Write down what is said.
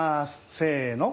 せの！